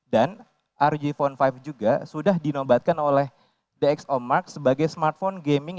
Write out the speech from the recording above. dan rog phone lima juga sudah dinobatkan oleh dxomark sebagai smartphone gaming